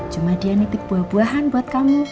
cuma dia nitik buah buahan buat kamu